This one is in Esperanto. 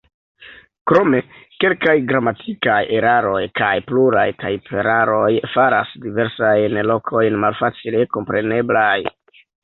Krome, kelkaj gramatikaj eraroj kaj pluraj tajperaroj faras diversajn lokojn malfacile kompreneblaj.